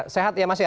sehat ya mas ya